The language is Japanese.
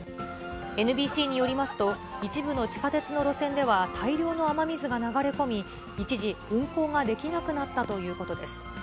ＮＢＣによりますと、一部の地下鉄の路線では、大量の雨水が流れ込み、一時運行ができなくなったということです。